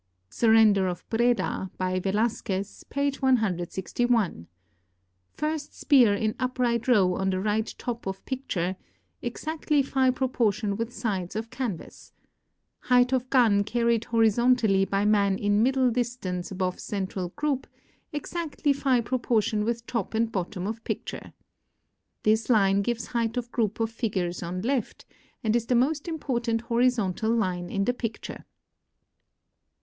"Surrender of Breda," by Velazquez, page 161 [Transcribers Note: Plate XXXVI]. First spear in upright row on the right top of picture, exactly Phi proportion with sides of canvas. Height of gun carried horizontally by man in middle distance above central group, exactly Phi proportion with top and bottom of picture. This line gives height of group of figures on left, and is the most important horizontal line in the picture.